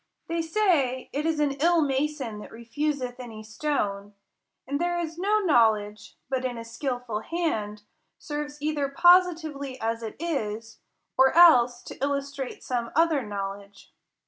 They say, it is an ill mason that refuseth any stone : and there is no knowledge, but, in a skilful hand, serves either positively as it is, or else to illustrate some other know ledge.